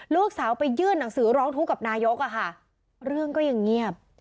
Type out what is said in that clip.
ลูกสาวไปยื่นหนังสือร้องทุกข์กับนายกอะค่ะเรื่องก็ยังเงียบ